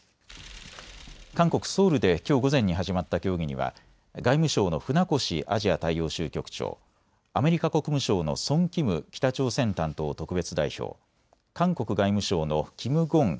韓国・ソウルできょう午前に始まった協議には外務省の船越アジア大洋州局長、アメリカ国務省のソン・キム北朝鮮担当特別代表、韓国外務省のキム・ゴン